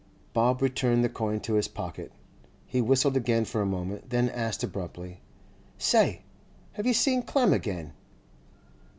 Bob returned the coin to his pocket. He whistled again for a moment, then asked abruptly: 'Say! have you seen Clem again?